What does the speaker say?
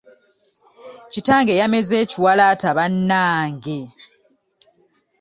Kitange yameze ekiwalaata bannange!